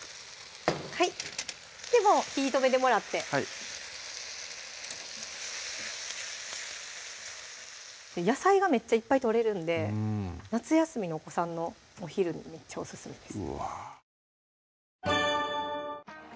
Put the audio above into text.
はいもう火止めてもらってはい野菜がめっちゃいっぱいとれるんで夏休みのお子さんのお昼にめっちゃオススメです